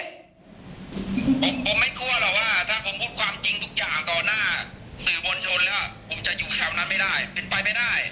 ผมไม่กลัวหรอกว่าถ้าผมพูดความจริงทุกอย่างต่อหน้าสื่อมวลชนแล้วผมจะอยู่แถวนั้นไม่ได้เป็นไปไม่ได้